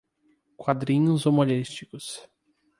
Quadrinhos humorísticos